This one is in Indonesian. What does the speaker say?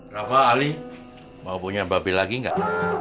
rafa ali mau punya babi lagi enggak